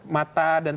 mata dan terdekat